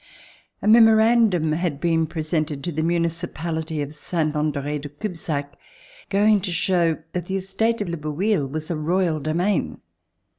A MEMORANDUM had been presented to the municipality of Saint Andre de Cubzac going to show that the estate of Le Bouilh was a royal domain.